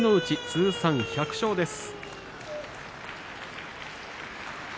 通算１００勝です。